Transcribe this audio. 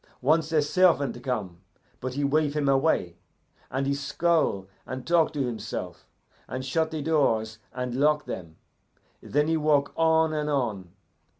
Once a servant come, but he wave him away, and he scowl and talk to himself, and shut the doors and lock them. Then he walk on and on.